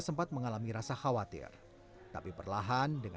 keadaan umum dan keadaan men fikir terima kasih dapat mempertimbangkan diri saya juga